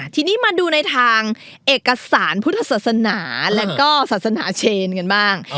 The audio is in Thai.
ทีนี้มาดูในทางเอกสารพุทธศาสนาและก็ศาสนาเชนกันบ้าง